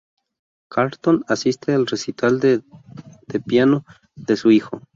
Carlton asiste al recital de de piano de su hijo.